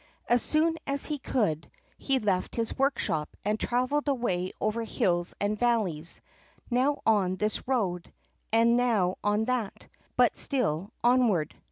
As soon as he could, he left his workshop, and traveled away over hills and valleys, now on this road, and now on that; but still onward.